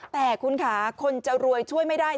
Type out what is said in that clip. แต่คุณค่ะคนจะรวยช่วยไม่ได้